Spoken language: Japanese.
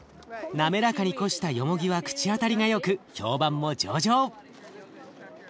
滑らかにこしたよもぎは口当たりがよく評判も上々！